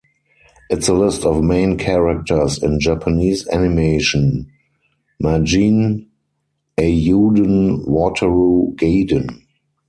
It’s a list of main characters in Japanese animation Majin Eiyuuden Wataru Gaiden.